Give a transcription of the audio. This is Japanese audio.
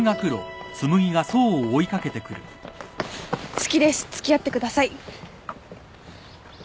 好きです付き合ってください。